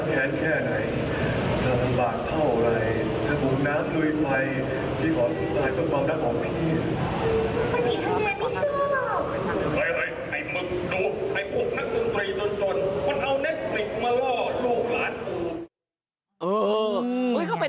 เขาเป็นนักภาคนะ